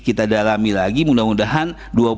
kita dalami lagi mudah mudahan